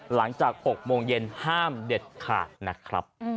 หลังจาก๖โมงเย็นห้ามเด็ดขาดนะครับ